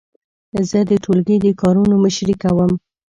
زه د ټولګي د کارونو مشري کوم.